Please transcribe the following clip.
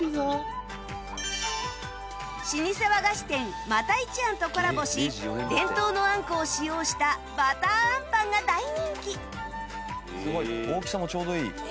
老舗和菓子店又一庵とコラボし伝統のあんこを使用したばたーあんパンが大人気！